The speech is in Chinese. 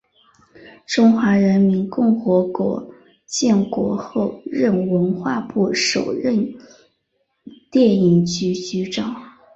中华人民共和国建国后任文化部首任电影局局长。